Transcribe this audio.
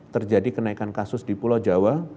terjadi kenaikan kasus di pulau jawa